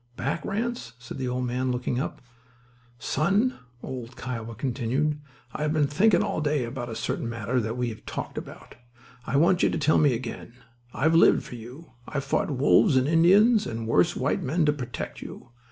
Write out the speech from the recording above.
"Back, Ranse?" said the old man, looking up. "Son," old "Kiowa" continued, "I've been thinking all day about a certain matter that we have talked about. I want you to tell me again. I've lived for you. I've fought wolves and Indians and worse white men to protect you.